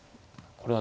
これは。